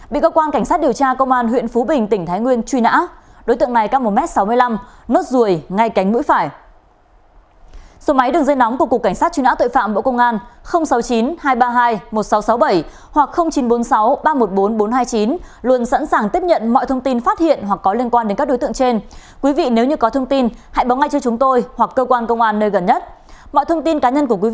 bị cơ quan cảnh sát điều tra công an huyện phú bình tỉnh thái nguyên truy nã